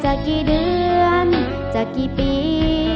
กี่เดือนจะกี่ปี